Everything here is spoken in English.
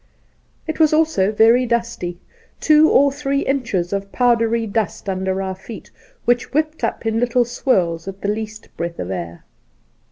It was also very dusty — two or three inches of powdery dust under our feet, which whipped up in little swirls at the least breath of air.